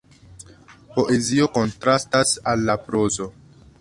Poezio kontrastas al la prozo.